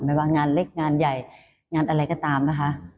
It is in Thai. ไม่ว่างานเล็กงานใหญ่งานอะไรก็ตามนะคะ